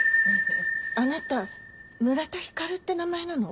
あなた村田光って名前なの？